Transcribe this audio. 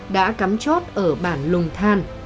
đã cắm chốt ở bản lùng than